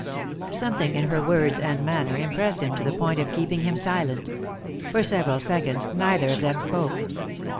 Something in her words and manner, impressed him to the point of keeping him silent. For several seconds neither of them spoke.